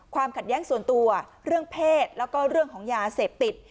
ความขัดแย้งส่วนตัวเรื่องเพศแล้วก็เรื่องของยาเสพติด